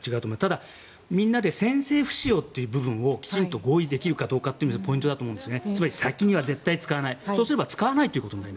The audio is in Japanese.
ただ、みんなで先制不使用という部分をきちんと合意できるかどうかもポイントだと思うんです。